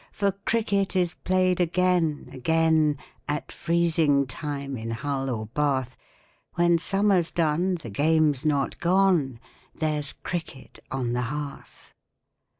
For Cricket is played again, again, At freezing time in Hull or Bath; When summer's done the game's not gone There's Cricket on the Hearth!